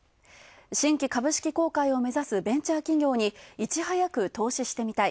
新規株式公開をめざすベンチャー企業にいち早く投資してみたい。